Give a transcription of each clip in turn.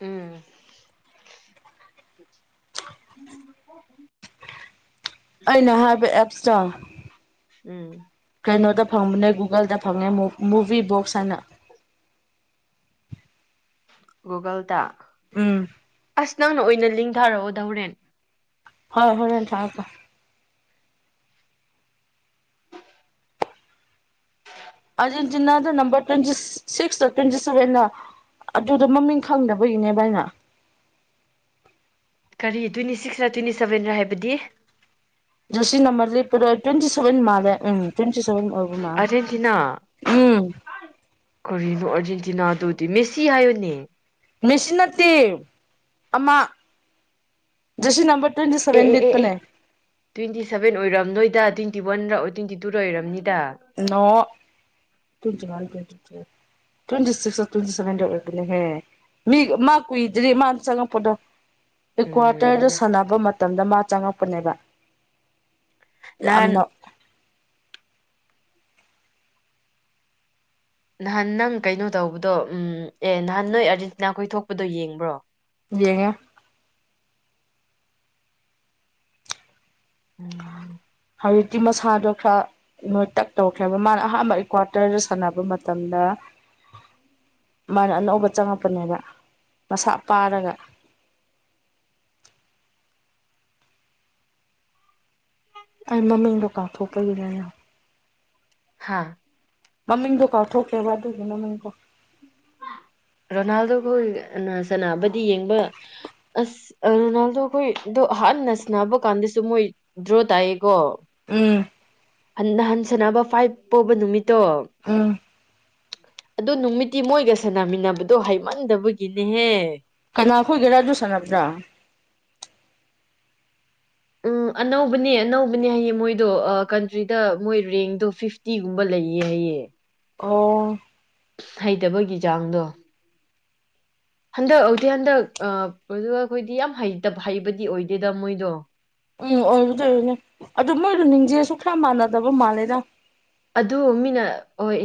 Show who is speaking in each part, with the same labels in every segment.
Speaker 1: ꯎꯝ ꯎꯝ
Speaker 2: ꯑꯩꯅ ꯍꯥꯏꯕ ꯑꯦꯞꯁꯇ
Speaker 1: ꯎꯝ
Speaker 2: ꯐꯪꯕꯅꯦ ꯒꯨꯒꯜꯗ ꯐꯪꯉꯦ ꯃꯨꯚꯤ ꯕꯣꯛꯁ ꯍꯥꯏꯅ
Speaker 1: ꯒꯨꯨꯒꯜꯗ
Speaker 2: ꯎꯝ
Speaker 1: ꯑꯁ ꯅꯪꯅ ꯑꯣꯏꯅ ꯂꯤꯡꯊꯥꯔꯛꯑꯣ ꯙꯎꯔꯦꯟ
Speaker 2: ꯍꯣꯏ ꯍꯣꯏ ꯊꯥꯥꯛ ꯑꯔꯖꯦꯟꯇꯤꯅꯥꯗ ꯅꯝꯕꯔ ꯇ꯭ꯋꯦꯟ ꯁꯤꯁ ꯇ꯭ꯋꯦꯟꯇꯤ ꯁ ꯑꯗꯨꯗꯣ ꯃꯃꯤꯡ ꯈꯪꯗꯕꯒꯤꯅꯦ ꯚꯥꯏꯅ
Speaker 1: ꯀꯔꯤ ꯇ꯭ꯋꯦꯟꯇꯤ ꯁꯤꯛꯁꯔꯥ ꯇ꯭ꯋꯦꯟꯇꯤ ꯁꯚꯦꯟꯔ ꯍꯥꯏꯕꯗꯤ
Speaker 2: ꯗꯣꯁꯤ ꯅꯝꯕꯔ ꯂꯩꯦꯔꯣꯏ꯭ꯋꯦꯟꯤ ꯁꯕꯦꯟ ꯃꯥꯂꯦꯝ ꯇ꯭ꯋꯦꯟꯇꯤ ꯑꯣꯏꯕꯃ
Speaker 1: ꯑꯥꯔꯖꯦꯟꯇꯤꯅꯥ
Speaker 2: ꯎꯝ
Speaker 1: ꯀꯔꯤꯅꯣ ꯑꯥꯔꯖꯦꯟꯇꯤꯅꯥ ꯑꯗꯨꯗꯤ ꯃꯦꯁꯤ ꯍꯥꯏꯌꯨꯅꯦ
Speaker 2: ꯃꯦꯁꯤ ꯅꯠꯇꯦ ꯑꯃ ꯦꯁꯤ ꯅꯝꯕꯔ ꯇ꯭ꯋꯦꯟꯇꯤ
Speaker 1: ꯑꯦ
Speaker 2: ꯁꯚꯦꯟ
Speaker 1: ꯑꯦ ꯑꯦ ꯑꯦ
Speaker 2: ꯂꯤꯠꯄꯅꯦ
Speaker 1: ꯇ꯭ꯋꯦꯟꯇꯤ ꯁꯕꯦꯟ ꯑꯣꯏꯔꯝ ꯅꯣꯏꯗ ꯇ꯭ꯋꯦꯟꯇꯤ ꯋꯥꯟ ꯇ꯭ꯋꯦꯟꯇꯤ ꯇꯨꯗ ꯑꯣꯏꯔꯝꯅꯤꯗ
Speaker 2: ꯅꯣꯡ ꯊꯨꯡꯖꯀ ꯄ ꯇ ꯇ꯭ꯋꯦꯟꯤ ꯁꯤꯋꯦꯟꯇ ꯁꯦꯟꯔꯦ ꯃꯤ ꯃꯥ ꯀꯨꯏꯗ꯭ꯔꯤ ꯃꯥꯅ ꯆꯉ ꯄꯗ ꯑꯦꯀ꯭ꯋꯥꯇꯔꯗ
Speaker 1: ꯎꯝ
Speaker 2: ꯁꯥꯟꯅꯕ ꯃꯇꯝꯗ ꯃꯥ ꯆꯪꯉꯛꯄꯅꯦꯕ
Speaker 1: ꯅꯍꯥꯟ
Speaker 2: ꯌꯥꯝꯅ
Speaker 1: ꯅꯍꯥꯟ ꯅꯪ ꯀꯩꯅꯣ ꯇꯧꯕꯗꯣ ꯎ ꯑꯦ ꯅꯍꯥꯟ ꯅꯣꯏ ꯑꯥꯔꯖꯦꯟꯇꯤꯅꯥ ꯈꯣꯏ ꯊꯣꯛꯄꯗꯣ ꯌꯦꯡꯕ꯭ꯔꯣ
Speaker 2: ꯌꯦꯡꯉꯦ
Speaker 1: ꯎꯝ
Speaker 2: ꯍꯧꯖꯤꯛꯇꯤ ꯃꯁꯥꯗꯣ ꯈꯔ ꯅꯣꯏ ꯇꯛ ꯇꯧꯈ꯭ꯔꯦꯕ ꯃꯥꯅ ꯑꯍꯥꯟꯕ ꯑꯦꯀ꯭ꯋꯥꯇꯔꯗ ꯁꯥꯟꯅꯕ ꯃꯇꯝꯗ ꯍ ꯃꯥꯅ ꯑꯅꯧꯕ ꯆꯪꯉꯛꯄꯅꯦꯕ ꯃꯁꯥ ꯄꯥꯔꯒ [unintelligible] ꯑꯩ ꯃꯃꯤꯡꯗꯣ ꯀꯥꯎꯊꯣꯛꯄꯒꯤꯅꯦ
Speaker 1: ꯍꯥꯥ
Speaker 2: ꯃꯃꯤꯡꯗ ꯀꯥ ꯊ ꯊꯣꯛꯣꯛꯀꯦ ꯋꯥꯗꯒꯦ ꯃꯃꯤꯡ ꯀ
Speaker 1: ꯔꯣꯅꯥꯜꯗꯣ ꯑꯩꯈꯣꯏ ꯁꯅꯥꯅꯕꯗꯤ ꯌꯦꯡꯕ ꯑꯁ ꯔꯣꯅꯥꯜꯗꯣ ꯑꯩꯈꯣꯏ ꯍꯥꯟꯅ ꯁꯟꯅꯕ ꯀꯥꯟꯗꯁꯨ ꯃꯣꯏ ꯗ꯭ꯔꯣ ꯇꯥꯏꯑꯦꯀꯣ
Speaker 2: ꯍ
Speaker 1: ꯅꯍꯟ ꯁꯅꯕ ꯐꯥꯏꯚ ꯄꯣꯕ ꯅꯨꯃꯤꯠꯇꯣ
Speaker 2: ꯎꯝ
Speaker 1: ꯑꯗꯨ ꯅꯨꯃꯤꯠꯇꯤ ꯃꯣꯏꯒ ꯁꯥꯟꯅꯃꯤꯟꯅꯕꯗꯣ ꯍꯩꯃꯟꯗꯕꯒꯤꯅꯦꯍꯦ
Speaker 2: ꯀꯅꯥ ꯈꯏꯒꯦꯔꯥ ꯑꯗꯨ ꯁꯥꯟꯅꯕ꯭ꯔꯥ
Speaker 1: ꯎꯝ ꯑꯅꯧꯕꯅꯦ ꯑꯅꯧꯕꯅꯦ ꯍꯥꯏꯌꯦ ꯃꯣꯏꯗꯣ ꯀꯟꯇ꯭ꯔꯤꯗ ꯃꯣꯏ ꯔꯦꯡꯗꯣ ꯐꯤꯐꯇꯤꯒꯨꯝꯕ ꯂꯩ [unintelligible]
Speaker 2: ꯑꯣ
Speaker 1: ꯍꯩꯇꯕꯒꯤ ꯆꯥꯡꯗꯣ
Speaker 2: [inaudible]
Speaker 1: ꯍꯟꯗꯛ ꯍꯧꯗꯤꯦ ꯍꯟꯗꯛ ꯑ ꯑꯩꯈꯣꯏꯗꯤ ꯌꯥꯝ ꯍꯩꯕꯗꯤ ꯑꯣꯏꯗꯦꯗ ꯃꯣꯏꯗꯣ
Speaker 2: ꯎꯝ ꯑꯣꯏꯔꯗ ꯑꯣꯏꯔꯅꯦ ꯑꯗꯨ ꯃꯣꯏꯗꯣ ꯅꯤꯡꯖꯦꯁꯨ ꯈꯔ ꯃꯥꯟꯅꯗꯕ ꯃꯥꯜꯂꯦꯗ
Speaker 1: ꯑꯗꯨ ꯃꯤꯅ ꯍꯣꯏ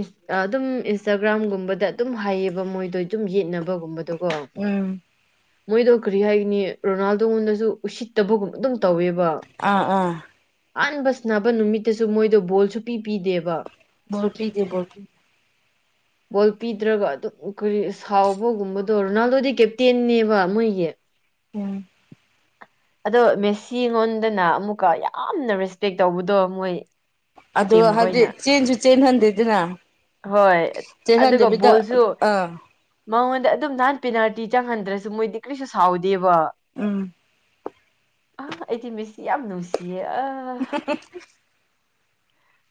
Speaker 1: ꯑꯗꯨꯝ ꯏꯟꯁꯇꯥꯒ꯭ꯔꯥꯝꯒꯨꯝꯕꯗ ꯑꯗꯨꯝ ꯍꯥꯏꯌꯦꯕ ꯃꯣꯏꯗꯣ ꯑꯗꯨꯝ ꯌꯦ ꯌꯦꯠꯅꯕꯒꯨꯝꯕꯗꯨ
Speaker 2: ꯎꯝ
Speaker 1: ꯃꯣꯏꯗꯣ ꯀꯔꯤ ꯍꯥꯏꯒꯅꯤ ꯔꯣꯅꯥꯜꯗꯣꯉꯣꯟꯗꯁꯨ ꯎꯁꯤꯠꯇꯕꯒꯨꯝꯕ ꯑꯗꯨꯝ ꯇꯧꯋꯦꯕ
Speaker 2: ꯑꯥ ꯑꯥ
Speaker 1: ꯑꯍꯥꯟꯕ ꯁꯅꯕ ꯅꯨꯃꯤꯠꯇꯁꯨ ꯃꯣꯏꯗꯣ ꯕꯣꯜꯁꯨ ꯄꯤ ꯄꯤꯗꯦꯕ
Speaker 2: ꯣꯄꯤꯤꯗꯤꯦ ꯣꯄꯤꯤ
Speaker 1: ꯕꯣꯜ ꯄꯤꯗ꯭ꯔꯒ ꯑꯗꯨꯝ ꯀꯔꯤ ꯁꯥꯎꯕꯒꯨꯝꯕꯗꯣ ꯔꯣꯅꯥꯜꯗꯣꯗꯤ ꯀꯦꯞꯇꯦꯟꯅꯦꯕ ꯃꯣꯏꯒꯤ
Speaker 2: ꯎꯝ
Speaker 1: ꯑꯗꯣ ꯃꯦꯁꯤ ꯑꯩꯉꯣꯟꯗꯅ ꯑꯃꯨꯛꯀ ꯌꯥꯝꯅ ꯔꯦꯁꯄꯦꯛ ꯇꯧꯕꯗꯣ ꯃꯣꯏ
Speaker 2: ꯑꯣ
Speaker 1: ꯇꯤꯝ
Speaker 2: ꯍꯥꯏꯗꯤ
Speaker 1: ꯈꯣꯏꯅ
Speaker 2: ꯆꯦꯟꯁꯨ ꯆꯦꯟꯍꯟꯗꯦꯗꯅ
Speaker 1: ꯍꯣꯏ ꯑꯗꯨꯒ
Speaker 2: ꯆꯦꯟꯍꯟꯗꯕꯤꯗ
Speaker 1: ꯕꯣꯜꯁꯨ
Speaker 2: ꯑꯥ
Speaker 1: ꯃꯉꯣꯟꯗ ꯑꯗꯨꯝ ꯅꯍꯥꯟ ꯄꯦꯅꯥꯜꯇꯤ ꯆꯪꯍꯟꯗ꯭ꯔꯁꯨ ꯃꯣꯏꯗꯤ ꯀꯔꯤꯁꯨ ꯁꯥꯎꯗꯦꯕ
Speaker 2: ꯎꯝ
Speaker 1: ꯑ ꯑꯩꯗꯤꯤ ꯃꯤꯁꯤ ꯌꯥꯝ ꯅꯨꯡꯁꯤꯌꯦ ꯑ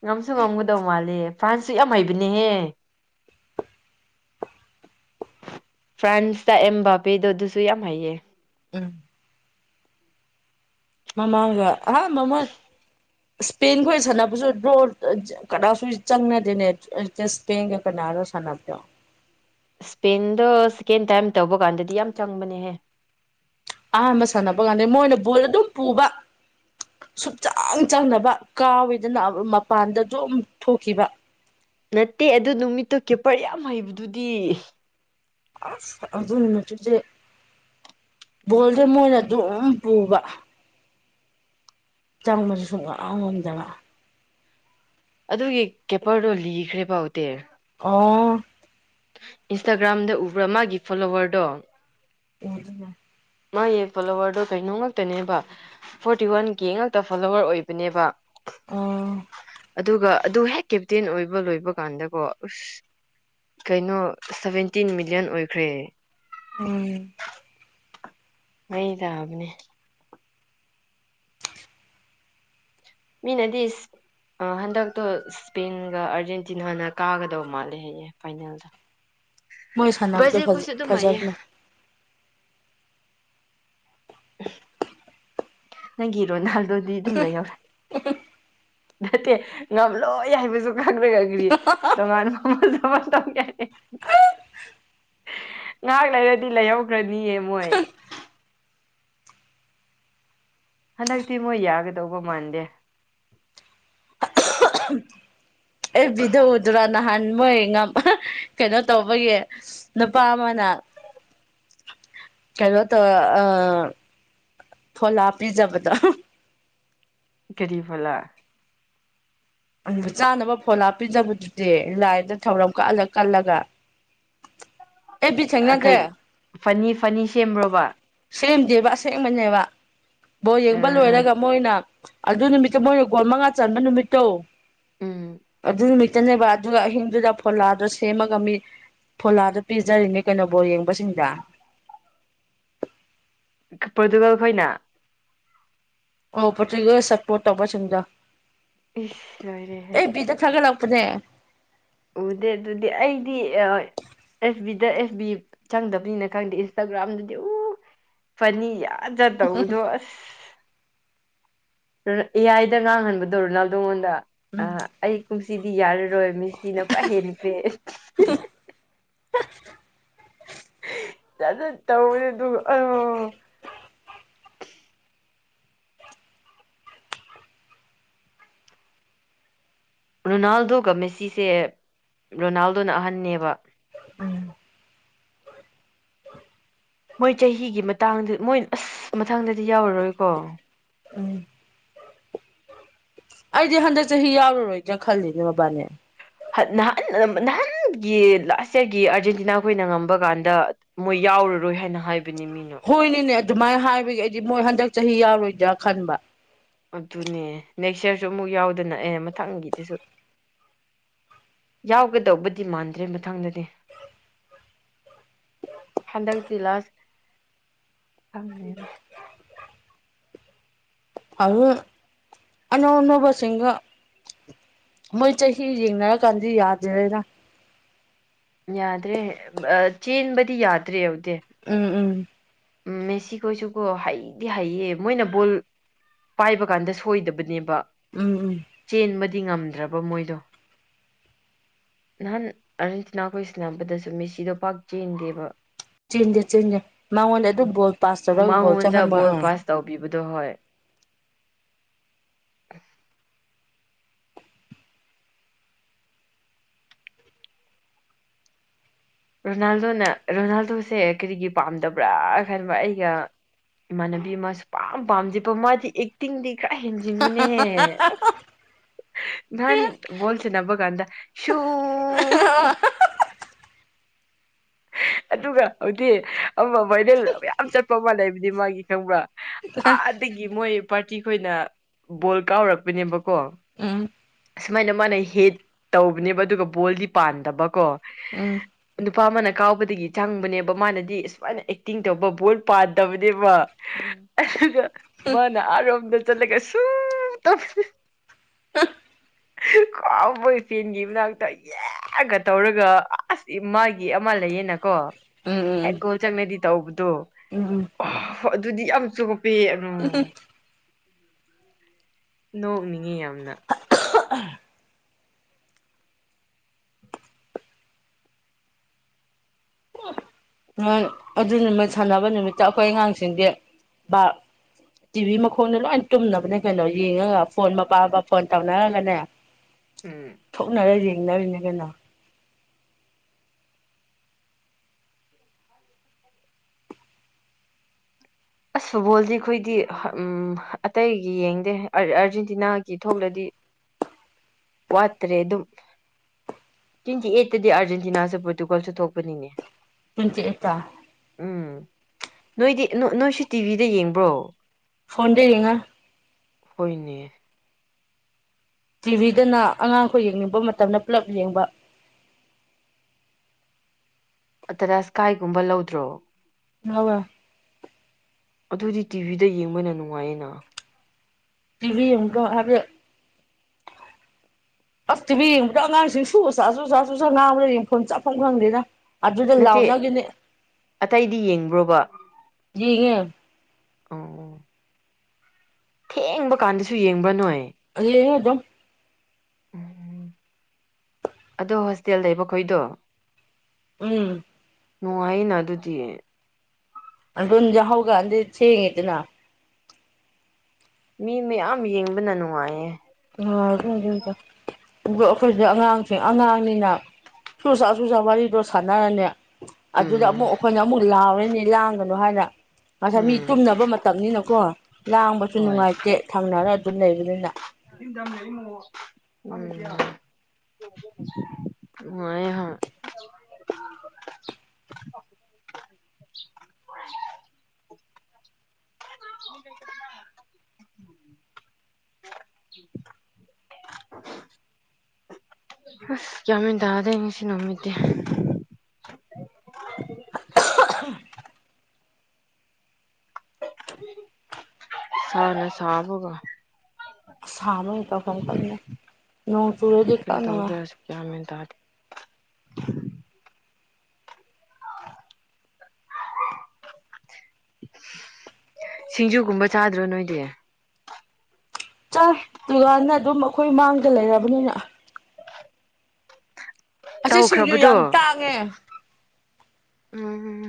Speaker 1: ꯉꯝꯁꯨ ꯉꯝꯒꯗꯧ ꯃꯥꯜꯂꯦ ꯐ꯭ꯔꯥꯟꯁꯁꯨ ꯌꯥꯝ ꯍꯩꯕꯅꯦꯍꯦ ꯐ꯭ꯔꯥꯟꯁꯇ ꯑꯦꯝ ꯕꯥꯕꯦꯗꯣ ꯑꯗꯨꯁꯨ ꯌꯥꯝ ꯍꯩꯌꯦ
Speaker 2: ꯎꯝ ꯃꯃꯒ ꯑꯥ ꯃꯃ ꯏꯁꯄꯦꯟꯒ ꯁꯥꯟꯅꯕꯁꯨ ꯗ꯭ꯔꯣ ꯀꯅꯥꯁꯨ ꯆꯪꯅꯗꯦꯅꯦ ꯏꯁꯄꯦꯟꯒ ꯀ ꯔꯣ ꯁꯅꯞꯇ
Speaker 1: ꯏꯁꯄꯦꯟꯗꯣ ꯁꯦꯀꯦꯟ ꯇꯥꯏꯝ ꯇꯧꯕ ꯀꯥꯟꯗꯗꯤ ꯌꯥꯝ ꯆꯪꯕꯅꯦꯍꯦ
Speaker 2: ꯑꯍꯥꯟꯕ ꯁꯥꯟꯅꯕ ꯀꯥꯟꯗꯩ ꯃꯣꯏꯅ ꯕꯨꯠ ꯑꯗꯨꯝ ꯄꯨꯕ ꯁꯨꯡꯆꯥꯡ ꯆꯪꯅꯕ ꯀꯥꯎꯋꯤꯗꯅ ꯃꯄꯥꯟꯗꯁꯨ ꯑꯗꯨꯝ ꯊꯣꯛꯈꯤꯕ
Speaker 1: ꯅꯠꯇꯦ ꯑꯗꯨ ꯅꯨꯃꯤꯠꯇꯨ ꯀꯦꯄꯔ ꯌꯥꯝ ꯍꯩꯕꯗꯨꯗꯤ
Speaker 2: ꯑ ꯑꯗꯨꯅ ꯃꯠꯇꯁꯦ ꯣꯜꯗ ꯃꯣꯏꯅ ꯑꯗꯨꯝ ꯄꯨꯕ ꯆꯥꯡꯃꯁꯨ ꯁꯨꯡꯉꯝ ꯉꯝꯗꯕ
Speaker 1: ꯑꯗꯨꯒꯤ ꯀꯦꯄꯔꯗꯣ ꯂꯤꯈ꯭ꯔꯦ ꯐꯥꯎꯇꯦ
Speaker 2: ꯑꯣ
Speaker 1: ꯏꯟꯁꯇꯥꯒ꯭ꯔꯥꯝꯗ ꯎꯕ꯭ꯔꯥ ꯃꯥꯒꯤ ꯐꯣꯂꯣꯋꯔꯗꯣ
Speaker 2: ꯎ
Speaker 1: ꯃꯥꯒꯤ ꯐꯣꯂꯣꯋꯔꯗꯣ ꯀꯩꯅꯣ ꯉꯛꯇꯅꯦꯕ ꯐꯣꯔꯇꯤ ꯋꯥꯟ ꯀꯦ ꯉꯥꯛꯇ ꯐꯣꯂꯣꯋꯔ ꯑꯣꯏꯕꯅꯦꯕ
Speaker 2: ꯑ
Speaker 1: ꯑꯗꯨꯒ ꯑꯗꯨ ꯍꯦꯛ ꯀꯦꯞꯇꯦꯟ ꯑꯣꯏꯕ ꯂꯣꯏꯕ ꯀꯥꯟꯗꯀꯣ ꯑꯁ ꯀꯩꯅꯣ ꯁꯚꯦꯟꯇꯤꯟ ꯃꯤꯂꯤꯌꯟ ꯑꯣꯏꯈ꯭ꯔꯦ
Speaker 2: ꯎꯝ
Speaker 1: ꯑꯩ ꯊꯕꯅꯦ ꯃꯤ ꯅꯗꯤꯁ ꯍꯟꯗꯛꯇꯣ ꯏꯁ꯭ꯄꯦꯟꯒ ꯑꯥꯔꯖꯦꯟꯇꯤꯅꯥꯅ ꯀꯥꯒꯗꯧ ꯃꯥꯜꯂꯦ ꯍꯌꯦꯌꯦ ꯐꯥꯏꯅꯦꯜꯗ
Speaker 2: ꯃꯣꯏ ꯁꯥꯟꯅꯕꯗꯣ
Speaker 1: ꯕ꯭ꯔꯖꯤꯜ
Speaker 2: ꯐꯖ
Speaker 1: ꯈꯣꯏꯁꯨ ꯑꯗꯨꯝ ꯍꯩꯌꯦ
Speaker 2: ꯐꯖꯕꯅꯦ
Speaker 1: ꯅꯪꯒꯤ ꯔꯣꯅꯥꯜꯗꯣꯗꯤ ꯑꯗꯨꯝ ꯂꯩꯍꯧꯔꯅꯤ ꯅꯠꯇꯦ ꯉꯝꯂꯣꯏ ꯍꯥꯏꯕꯁꯨ ꯈꯪꯅꯔꯒ ꯀ꯭ꯔꯤ ꯇꯣꯉꯥꯟ ꯃꯃꯜ ꯉꯥꯏꯍꯥꯛ ꯂꯩꯔꯗꯤ ꯂꯩꯍꯧꯈ꯭ꯔꯗꯤ ꯅꯤ ꯃꯣꯏ ꯍꯟꯗꯛꯇꯤ ꯃꯣꯏ ꯌꯥꯒꯗꯧꯕ ꯃꯥꯟꯗꯦ
Speaker 2: ꯑꯦꯐꯕꯤꯗ ꯎꯗ꯭ꯔꯣ ꯅꯍꯥꯟ ꯃꯣꯏ ꯀꯩꯅꯣ ꯇꯧꯕꯒꯤ ꯅꯨꯄꯥ ꯑꯃꯅ ꯀꯩꯅꯣ ꯇꯧꯔ ꯑ ꯐꯣꯂꯥꯥ ꯄꯤꯖꯕꯗꯣ
Speaker 1: ꯀꯔꯤ ꯐꯣꯂꯥ
Speaker 2: ꯆꯥꯅꯕ ꯐꯣꯟꯂꯥ ꯄꯤꯖꯕꯗꯨꯗꯤ ꯂꯥꯏꯗ ꯊꯧꯔꯝ ꯀꯠꯂ ꯀꯠꯂꯒ ꯑꯦꯐ ꯕꯤ ꯊꯦꯡꯅꯗꯦ
Speaker 1: ꯀꯩ ꯐꯅꯤ ꯐꯅꯤ ꯁꯦꯝꯕ꯭ꯔꯣꯕ
Speaker 2: ꯁꯦꯝꯗꯦꯕ ꯑꯁꯦꯡꯕꯅꯦꯕ ꯕꯣꯜ ꯌꯦꯡꯕ
Speaker 1: ꯎꯝ
Speaker 2: ꯂꯣꯏꯔꯒ ꯃꯣꯏꯅ ꯑꯗꯨ ꯅꯨꯃꯤꯠꯇ ꯃꯣꯏꯅ ꯒꯣꯜ ꯃꯉꯥ ꯆꯟꯕ ꯅꯨꯃꯤꯠꯇꯣ
Speaker 1: ꯎꯝ
Speaker 2: ꯑꯗꯨ ꯅꯨꯃꯤꯠꯇꯅꯦꯕ ꯑꯗꯨꯒ ꯑꯍꯤꯡꯗꯨꯗ ꯐꯣꯂꯥꯗꯣ ꯁꯦꯝꯃꯒ ꯃꯤ ꯐꯣꯂꯥꯗ ꯄꯤꯖꯔꯤꯅꯤ ꯀꯩꯅꯣ ꯕꯣꯜ ꯌꯦꯡꯕꯁꯤꯡꯗ
Speaker 1: ꯄꯣꯔꯇꯨꯒꯜ ꯈꯣꯏꯅ
Speaker 2: ꯑꯣ ꯄꯣꯔꯇꯨꯒꯜ ꯁꯄꯣꯔꯠ ꯇꯧꯕ ꯁꯤꯡꯗꯣ
Speaker 1: ꯏꯁ ꯂꯣꯏꯔꯦꯍꯦ
Speaker 2: ꯀꯅꯦ
Speaker 1: ꯎꯗꯦ ꯑꯗꯨꯗꯤ ꯑꯩꯗꯤ ꯑ ꯑꯦꯐ ꯕꯤꯗ ꯑꯦꯐ ꯕꯤ ꯆꯪꯗꯕꯅꯤꯅ ꯈꯪꯗꯦ ꯏꯟꯁꯇꯥꯒ꯭ꯔꯥꯝꯗꯗꯤ ꯎ ꯐꯅꯤ ꯌꯥꯝ ꯖꯠ ꯇꯧꯕꯗꯣ ꯑꯁ ꯔ ꯌꯥꯏꯗ ꯉꯥꯡꯍꯟꯕꯗꯣ ꯔꯣꯅꯥꯜꯗꯣꯉꯣꯟꯗ ꯑ ꯑꯩ ꯀꯨꯝꯁꯤꯗꯤ ꯌꯔꯥꯔꯣꯏ ꯃꯤꯁꯤꯅ ꯄꯨꯔꯥ ꯍꯦꯟꯈ꯭ꯔꯦ ꯖꯥꯠ ꯖꯥꯠ ꯇꯧꯔꯤ ꯑꯗꯨꯒ ꯑꯣ ꯔꯣꯅꯥꯜꯗꯣꯒ ꯃꯦꯁꯤꯁꯦ ꯔꯣꯅꯥꯜꯗꯣꯅ ꯑꯍꯟꯅꯦꯕ
Speaker 2: ꯎ [inaudible]
Speaker 1: ꯃꯣꯏ ꯆꯍꯤꯒꯤ ꯃꯇꯥꯡꯗ ꯃꯣꯏ ꯑꯁ ꯃꯊꯪꯗꯗꯤ ꯌꯥꯎꯔꯔꯣꯏꯀꯣ
Speaker 2: ꯎꯝ ꯑꯩꯗꯤ ꯍꯟꯗꯛ ꯆꯍꯤ ꯌꯥꯎꯔꯔꯣꯏꯗꯔꯥ ꯈꯜꯂꯤꯅꯦ ꯃꯕꯥꯟꯅꯤ
Speaker 1: ꯍꯟ ꯅꯍꯥꯟ ꯅꯍꯥꯟꯒꯤ ꯂꯥꯁ ꯏꯌꯥꯔꯒꯤ ꯑꯥꯔꯖꯦꯟꯇꯤꯅꯥ ꯈꯣꯏꯅ ꯉꯝꯕ ꯀꯥꯟꯗ ꯃꯣꯏ ꯌꯥꯎ ꯍꯧꯔꯔꯣꯏ ꯍꯥꯏꯅ ꯍꯥꯏꯕꯅꯤ ꯃꯤꯅꯥ
Speaker 2: ꯗꯨꯃꯥꯏ ꯍꯥꯏꯕꯒꯤ ꯑꯩꯗꯤ ꯃꯣꯏ ꯍꯟꯗꯛ ꯆꯍꯤ ꯌꯥꯎꯔꯣꯏꯗ꯭ꯔꯥ ꯈꯟꯕ
Speaker 1: ꯑꯗꯨꯅꯦ ꯅꯦꯛꯁ ꯌꯥꯔꯁꯨ ꯑꯃꯨꯛ ꯌꯥꯎꯗꯅ ꯑꯦ ꯃꯊꯪꯒꯤꯗꯁꯨ ꯌꯥꯎꯒꯗꯧꯕꯗꯤ ꯃꯥꯟꯗ꯭ꯔꯦ ꯃꯊꯪꯗꯗꯤ ꯍꯟꯗꯛꯇꯤ ꯂꯥꯁ ꯈꯪꯗꯦꯗ
Speaker 2: ꯑꯍꯨ ꯑꯅꯧ ꯑꯅꯧꯕꯥ ꯁꯤꯟꯒ ꯃꯣꯏ ꯆꯍꯤ ꯌꯦꯡꯅꯔ ꯀꯥꯟꯗꯤ ꯌꯥꯗꯔꯦꯗꯅ
Speaker 1: ꯌꯥꯗ꯭ꯔꯦ ꯆꯦꯟꯕꯗꯤ ꯌꯥꯗ꯭ꯔꯦ
Speaker 2: ꯎꯝ ꯎꯝ
Speaker 1: ꯎꯝ ꯃꯦꯁꯤ ꯈꯣꯏꯁꯨ ꯀꯣ ꯍꯩꯗꯤ ꯍꯩꯌꯦ ꯃꯣꯏꯅ ꯕꯣꯜ ꯄꯥꯏꯕ ꯀꯥꯟꯗ ꯁꯣꯏꯗꯕꯅꯦꯕ
Speaker 2: ꯎꯝ ꯎꯝ
Speaker 1: ꯗꯤ ꯉꯝꯗ꯭ꯔꯕ ꯃꯣꯏꯗꯣ ꯅꯍꯥꯟ ꯑꯥꯔꯖꯦꯟꯇꯤꯅꯥ ꯈꯣꯏ ꯁꯤꯟꯅꯕꯗꯁꯨ ꯃꯦꯁꯤꯗꯣ ꯄꯥꯛ ꯆꯦꯟꯗꯦꯕ
Speaker 2: ꯆꯦꯟꯗꯦ ꯆꯦꯟꯗꯦ ꯃꯉꯣꯟꯗ ꯑꯗꯨꯝ ꯒꯣꯜ ꯄꯥꯁ ꯇꯧꯔꯒ ꯒꯣꯜ ꯆꯪꯍꯟꯕ ꯑꯥ
Speaker 1: ꯗꯣ ꯍꯣꯏ ꯔꯣꯅꯥꯜꯗꯣꯅ ꯔꯣꯅꯥꯜꯗꯣꯁꯦ ꯀꯔꯤꯒꯤ ꯄꯥꯝꯗꯕ꯭ꯔꯥ ꯈꯟꯕ ꯑꯩꯒ ꯏꯃꯥꯟꯅꯕꯤ ꯃꯥꯁꯨ ꯁꯨꯄꯥꯝ ꯄꯥꯝꯗꯦꯕ ꯃꯥꯗꯤ ꯑꯦꯛꯇꯤꯡꯗꯤ ꯄꯨꯔ ꯍꯦꯟꯖꯤꯟꯕꯅꯦꯍꯦ ꯅꯍꯥꯟ ꯕꯣꯜ ꯁꯥꯅꯕ ꯀꯟꯗ ꯁꯨ ꯑꯗꯨꯒ ꯍꯧꯖꯤꯛ ꯑꯃ ꯚꯥꯏꯔꯦꯜ ꯃꯌꯥꯝ ꯆꯠꯄ ꯃꯥ ꯂꯩꯕꯅꯦ ꯃꯥꯒꯤ ꯈꯪꯕ꯭ꯔꯥ ꯑꯥꯗꯒꯤ ꯃꯣꯏ ꯄꯥꯔꯇꯤ ꯈꯣꯏꯅ ꯕꯣꯜ ꯀꯥꯎꯔꯛꯄꯅꯦꯕꯀꯣ
Speaker 2: ꯎꯝ
Speaker 1: ꯁꯨꯃꯥꯏꯅ ꯃꯥꯅ ꯍꯤꯠ ꯇꯧꯕꯅꯦꯕ ꯑꯗꯨꯒ ꯕꯣꯜꯗꯤ ꯄꯥꯟꯗꯕꯀꯣ
Speaker 2: ꯎꯝ ꯎꯝ
Speaker 1: ꯅꯨꯄꯥ ꯑꯃꯅ ꯀꯥꯎꯕ ꯗꯒꯤ ꯆꯪꯕꯅꯦꯕ ꯃꯥꯅꯗꯤ ꯏꯁ ꯁꯨꯃꯥꯏꯅ ꯑꯦꯛꯇꯤꯡ ꯇꯧꯕ ꯕꯣꯜ ꯄꯥꯟꯗꯕꯅꯦꯕ ꯑꯗꯨꯒ ꯃꯅꯥ ꯑꯔꯣꯝꯗ ꯆꯂꯒ ꯁꯨꯝ ꯇ
Speaker 2: [unintelligible]
Speaker 1: ꯀꯥꯎꯕ ꯏꯆꯦꯟꯒꯤ ꯃꯅꯥꯛꯇ ꯌꯦꯛꯒ ꯇꯧꯔꯒ ꯑꯁ ꯏ ꯃꯥꯒꯤ ꯑꯃ ꯂꯩꯌꯦꯅ
Speaker 2: ꯎꯝ ꯎꯝ
Speaker 1: ꯆꯪꯅꯗꯤ ꯇꯧꯕꯗꯣ
Speaker 2: ꯎꯝ ꯎꯝ
Speaker 1: ꯑꯣ ꯑꯗꯨꯗꯤ ꯌꯥꯝ ꯆꯣꯞꯄꯦ ꯅꯣꯛꯅꯤꯡꯉꯤ ꯌꯥꯝꯅ
Speaker 2: ꯑꯗꯨ ꯅꯨꯃꯤ ꯁꯥꯟꯅꯕ ꯅꯨꯃꯤꯠꯇ ꯑꯩꯈꯣꯏ ꯑꯉꯥꯡꯁꯤꯡꯗꯤ ꯇꯤꯚꯤ ꯃꯈꯣꯡꯗ ꯂꯣꯏ ꯇꯨꯝꯅꯕꯅꯦ ꯀꯩꯅꯣ ꯌꯦꯡꯉꯒ ꯐꯣꯟ ꯃꯄꯥꯕ ꯐꯣꯟ ꯇꯧꯅꯔꯒꯅꯦ
Speaker 1: ꯎꯝ
Speaker 2: ꯊꯣꯛꯅꯔ ꯌꯦꯡꯅꯔꯤꯅꯤ ꯀꯩꯅꯣ
Speaker 1: ꯑꯁ ꯐꯨꯠꯕꯣꯜꯗꯤ ꯑꯩꯈꯣꯏꯗꯤ ꯑꯇꯩꯒꯤ ꯌꯦꯡꯗꯦ ꯑꯥꯔꯖꯦꯟꯇꯤꯅꯥꯒꯤ ꯊꯣꯛꯂꯗꯤ
Speaker 2: [unintelligible]
Speaker 1: ꯋꯥꯇ꯭ꯔꯦꯗꯨꯝ ꯇ꯭ꯋꯦꯟꯇꯤ ꯑꯩꯠꯇꯗꯤ ꯑꯥꯔꯖꯦꯟꯇꯤꯅꯥꯁꯨ ꯄꯣꯔꯇꯨꯒꯜꯁꯨ ꯊꯣꯛꯄꯅꯤꯅꯦ
Speaker 2: ꯄꯨꯨꯆꯩ ꯍꯠꯇ
Speaker 1: ꯎꯝ ꯅꯣꯏꯗꯤ ꯅꯣꯏꯁꯨ ꯇꯤꯚꯤꯗ ꯌꯦꯡꯕ꯭ꯔꯣ
Speaker 2: ꯐꯣꯟꯗ ꯌꯦꯡꯉꯣ
Speaker 1: ꯍꯅꯦ [unintelligible]
Speaker 2: ꯇꯤꯚꯤꯗꯅ ꯑꯉꯥꯡꯈꯣꯏ ꯌꯦꯡꯅꯤꯡꯕ ꯃꯇꯝꯗ ꯄꯨꯂꯞ ꯌꯦꯡꯕ [unintelligible]
Speaker 1: ꯑꯇꯔꯁ꯭ꯀꯥꯏꯒꯨꯝꯕ ꯂꯧꯗ꯭ꯔꯣ
Speaker 2: ꯂꯧꯋꯥ
Speaker 1: ꯑꯗꯨꯗꯤ ꯇꯤꯚꯤꯗ ꯌꯦꯡꯕꯅ ꯅꯨꯡꯉꯥꯏꯌꯦꯅ
Speaker 2: ꯇꯤꯚꯤ ꯌꯦꯡꯕꯗꯣ ꯍꯥꯏꯕꯗꯤ ꯑꯁ ꯇꯤꯚꯤ ꯌꯦꯡꯕꯗ ꯑꯉꯥꯡꯁꯤꯡ ꯁꯨ ꯆꯥꯁꯨ ꯆꯥ ꯆꯁꯨ ꯆꯥ ꯉꯥꯡꯕꯗ ꯌꯦꯡꯐꯝ ꯆꯥꯐꯝ ꯈꯪꯗꯦꯅ ꯑꯗꯨꯗ
Speaker 1: ꯅꯠꯇꯦ
Speaker 2: ꯂꯥꯎꯅꯒꯤꯅꯦ
Speaker 1: ꯑꯇꯩꯗꯤ ꯌꯦꯡꯕ꯭ꯔꯣꯕ
Speaker 2: ꯌꯦꯉꯦ
Speaker 1: ꯑ ꯊꯦꯡꯕ ꯀꯥꯟꯗꯁꯨ ꯌꯦꯡꯕ꯭ꯔꯥ ꯅꯣꯏ
Speaker 2: ꯌꯦꯡꯉꯦ ꯑꯗꯨꯝ
Speaker 1: ꯎꯝ ꯑꯗꯣ ꯍꯣꯁꯇꯦꯜ ꯂꯩꯕꯈꯣꯏꯗꯣ
Speaker 2: ꯎꯝ
Speaker 1: ꯅꯨꯡꯉꯥꯏꯩꯅ ꯑꯗꯨꯗꯤ
Speaker 2: ꯟꯖ ꯍꯒ ꯑꯗ ꯊꯦꯡꯉ ꯏꯇꯅ
Speaker 1: ꯃꯤ ꯃꯌꯥꯝ ꯌꯦꯡꯕꯅ ꯅꯨꯡꯉꯥꯏꯌꯦ
Speaker 2: ꯍ ꯍꯒ ꯑꯗꯨꯒ ꯑꯩꯈꯣꯏꯗꯤ ꯑꯉꯥꯡꯁꯤꯡ ꯑꯉꯥꯡꯅꯤꯅ ꯆꯨ ꯆꯥ ꯆꯨꯖꯥ ꯋꯥꯔꯤꯗꯣ ꯁꯥꯟꯅꯔꯅꯦ ꯑꯗꯨꯗ
Speaker 1: ꯎꯝ
Speaker 2: ꯑꯃꯨꯛ ꯑꯩꯈꯣꯏꯅ ꯑꯃꯨꯛ ꯂꯥꯎꯔꯅꯤ ꯂꯥꯡꯒꯅꯨ ꯍꯥꯏꯅ ꯉꯁꯥꯏ ꯃꯤ
Speaker 1: ꯎꯝ
Speaker 2: ꯇꯨꯝꯅꯕ ꯃꯇꯝꯅꯤꯅꯀꯣ ꯂꯥꯡꯕꯁꯨ
Speaker 1: ꯍꯣꯏ
Speaker 2: ꯅꯨꯡꯉꯥꯏꯇꯦ ꯊꯪꯅꯔ ꯑꯗꯨ ꯂꯩꯕꯅ
Speaker 1: [unintelligible] ꯃ ꯍꯣꯏ [unintelligible]
Speaker 2: [unintelligible]
Speaker 1: [unintelligible]
Speaker 2: [unintelligible]
Speaker 1: ꯑ ꯗꯉꯡꯁꯤ ꯅꯃꯤꯃꯤꯗ [unintelligible] ꯁꯔꯥ ꯁꯥꯕ ꯍꯒ
Speaker 2: ꯑꯁꯥꯕ ꯑꯣꯏ ꯀ ꯀ ꯅꯣꯡ ꯆꯨꯔꯦꯗꯤ
Speaker 1: ꯀꯔꯤ
Speaker 2: ꯀꯅꯅꯨꯡꯉ
Speaker 1: ꯇꯧꯗꯣꯏꯔꯁꯨ ꯒ꯭ꯌꯥꯟ [unintelligible]
Speaker 2: [unintelligible]
Speaker 1: ꯁꯤꯡꯖꯨꯒꯨꯝꯕ ꯆꯥꯗ꯭ꯔꯣ ꯅꯣꯏꯗꯤ
Speaker 2: ꯆꯪ ꯗꯨꯀꯥꯟꯗ ꯑꯗꯨꯝ ꯑꯩꯈꯣꯏ ꯃꯥꯡꯗ ꯂꯩꯔꯕꯅꯤꯅ ꯑꯁꯤ ꯁꯤꯡꯖꯨ
Speaker 1: ꯇꯧꯈ꯭ꯔꯕꯗꯣ
Speaker 2: ꯌꯥꯝ ꯇꯥꯡꯉꯦ
Speaker 1: ꯎꯝ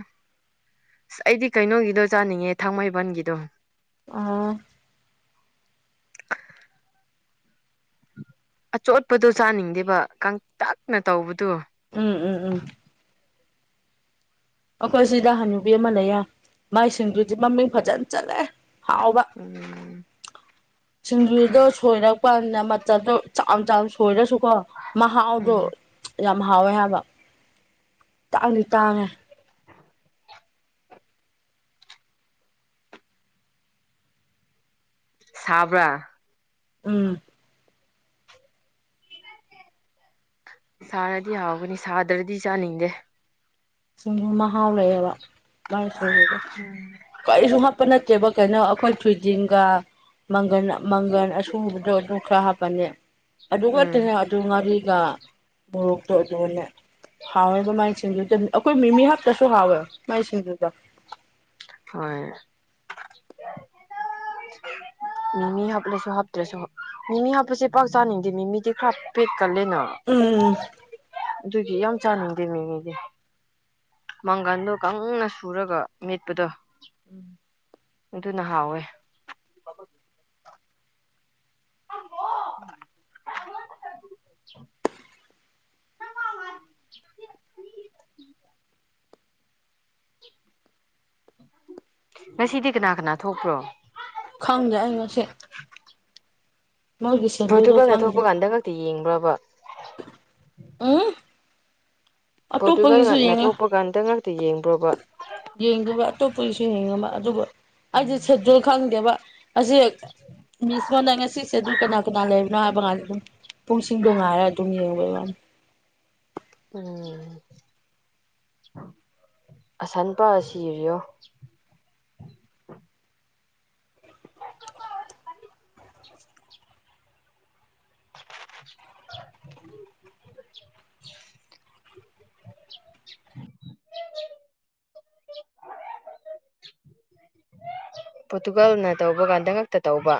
Speaker 1: ꯑꯁ ꯑꯩꯗꯤ ꯀꯩꯅꯣꯒꯤꯗꯣ ꯆꯥꯅꯤꯡꯉꯦ ꯊꯥꯡꯃꯩꯕꯟꯒꯤꯗꯣ
Speaker 2: ꯑꯥ
Speaker 1: ꯑꯆꯣꯠꯄꯗꯣ ꯆꯥꯅꯤꯡꯗꯦꯕ ꯀꯪꯇꯛꯅ ꯇꯧꯕꯗꯨꯣ
Speaker 2: ꯎꯝ ꯎꯝ ꯎꯝ ꯑꯩꯈꯣꯏ ꯁꯤꯗ ꯍꯟꯨꯕꯤ ꯑꯃ ꯂꯩꯌꯦ ꯃꯥꯏꯁꯤꯡꯗꯨꯗꯤ ꯃꯃꯤꯡ ꯐꯖꯅ ꯆꯠꯂꯦ ꯍꯥꯎꯕ
Speaker 1: ꯎꯝ
Speaker 2: ꯁꯤꯡꯖꯨꯗꯣ ꯁꯣꯏꯔ ꯄꯗ ꯃꯜꯗꯣ ꯆ ꯆ ꯁꯣꯏꯔꯁꯨꯀꯣ ꯃꯍꯥꯎꯗꯣ
Speaker 1: ꯎꯝ
Speaker 2: ꯌꯥꯝ ꯍꯥꯎꯋꯦ ꯍꯥꯏꯕ ꯇꯥꯡꯗꯤ ꯇꯥꯡꯉꯦ
Speaker 1: ꯁꯕ꯭ꯔꯥ
Speaker 2: ꯎꯝ
Speaker 1: ꯁꯥꯔꯗꯤ ꯍꯥꯎꯒꯅꯤ ꯁꯥꯗ꯭ꯔꯗꯤ ꯆꯥꯅꯤꯡꯗꯦ
Speaker 2: ꯁꯨꯝ ꯃꯍꯥꯎ ꯂꯩꯌꯦꯕ ꯃꯥꯏꯁꯤꯡꯁꯤꯗ ꯀꯔꯤꯁꯨ ꯍꯥꯞꯄ ꯅꯠꯇꯦ ꯦꯕ ꯀꯩꯅꯣ ꯑꯩꯈꯣꯏ ꯊꯣꯏꯗꯤꯟꯒ ꯃꯪꯒꯟ ꯃꯪꯒꯜ ꯑꯁꯨꯕꯗꯣ ꯑꯗꯨ ꯈꯔ ꯍꯥꯞꯄꯜꯅꯦ ꯑꯗꯨ
Speaker 1: ꯎꯝ
Speaker 2: ꯈꯛꯇꯅꯦ ꯑꯗꯨ ꯉꯥꯔꯤꯒ ꯃꯣꯔꯣꯛꯇꯣ ꯑꯗꯨꯅꯦ ꯍꯥꯎꯋꯦꯕ ꯃꯥꯏ ꯁꯤꯡꯗꯨꯨꯗ ꯑꯩꯈꯣꯏ ꯃꯤꯃꯤ ꯍꯥꯛꯇꯁꯨ ꯍꯥꯎꯋꯦ ꯃꯥꯏ ꯁꯤꯡꯗꯨꯨꯗ
Speaker 1: ꯍꯣꯏ ꯃꯤꯃꯤ ꯍꯥꯞꯂꯁꯨ ꯍꯥꯞꯇ꯭ꯔꯁꯨ ꯃꯤꯃꯤ ꯍꯥꯞꯄꯁꯦ ꯄꯥꯎ ꯆꯥꯅꯤꯡꯗꯦ ꯃꯤꯃꯤꯗꯤ ꯈꯔ ꯄꯤꯛ
Speaker 2: ꯎꯝ
Speaker 1: ꯑꯗꯨꯒꯤ ꯌꯥꯝ ꯆꯥꯅꯤꯡꯗꯦ ꯃꯤꯉꯗꯤ ꯃꯪꯒꯟꯗꯣ ꯀꯪꯅ ꯁꯨꯔꯒ ꯃꯦꯠꯄꯗꯣ
Speaker 2: ꯎꯝ
Speaker 1: ꯑꯗꯨꯅ ꯍꯥꯎꯋꯦ
Speaker 2: [inaudible] [inaudible]
Speaker 1: ꯉꯁꯤꯗꯤ ꯀꯅꯥ ꯀꯅꯥ ꯊꯣꯛꯄ꯭ꯔꯣ
Speaker 2: ꯈꯪꯖꯏ ꯉꯁꯦ
Speaker 1: ꯄꯣꯔꯇꯨꯒꯜꯗ ꯊꯣꯛꯄ
Speaker 2: ꯈꯪꯗꯦ
Speaker 1: ꯀꯥꯟꯗ ꯈꯛꯇꯤ ꯌꯦꯡꯕ꯭ꯔꯕ
Speaker 2: ꯑ
Speaker 1: ꯄꯣꯔꯇꯨꯒꯜꯅ ꯊꯣꯛꯄ ꯀꯥꯟꯗ ꯉꯥꯛꯇ ꯌꯦꯡꯕ
Speaker 2: ꯌꯦꯡꯗꯕ ꯑꯇꯣꯞꯄꯒꯤꯁꯨ ꯌꯦꯡꯉꯕ ꯑꯗꯨꯕꯨ ꯑꯩꯗꯤꯦ ꯁꯦꯗꯨꯜ ꯈꯪꯗꯦꯕ ꯑꯁꯤꯁ ꯃꯤꯁ ꯃꯣꯅ ꯉꯁꯤꯁꯦ ꯑꯗꯨ ꯀꯅꯥ ꯀꯅꯥ ꯂꯩꯕꯅꯣ ꯍꯥꯏꯕ ꯀꯗ ꯑꯗꯨꯝ ꯄꯨꯡꯁꯤꯡꯗꯣ ꯉꯥꯏꯔꯒ ꯑꯗꯨꯝ ꯌꯦꯡꯕ [inaudible]
Speaker 1: ꯎꯝ ꯑꯁꯟꯄꯥ ꯁꯤꯔꯤꯣ [unintelligible]
Speaker 2: [inaudible]
Speaker 1: ꯄꯣꯔꯇꯨꯒꯥꯜꯅ ꯇꯧꯕ ꯀꯥꯟꯗ ꯉꯛꯇ ꯇꯧꯕ